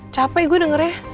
capek gue dengernya